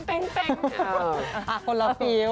คนละปีว